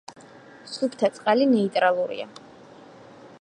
სუფთა წყალი ნეიტრალურია.